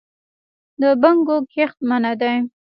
د بنګو کښت منع دی